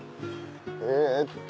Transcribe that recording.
えっと